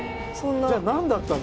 じゃあ何だったの？